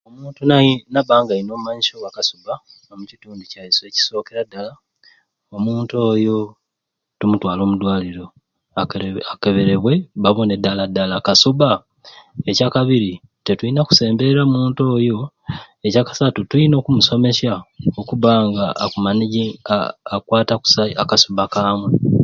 Omuntu nayi nabanga ayina obumanyisyo bwa kasubba omukitundu kyaiswe ekikusokeera dala omuntu oyo tumutwale omudwaliro akerebe akeberebwe babone dala dala kasubba, ekyakabiri tetuyina kusembeera muntu oyo, ekyakasaatu tuyina okumusomesya okuba nga akumanejinga aahh akwata kusai akasuba kamwei.